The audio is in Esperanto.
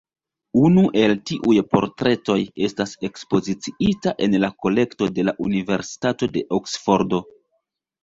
Unu el tiuj portretoj estas ekspoziciita en la kolekto de la Universitato de Oksfordo.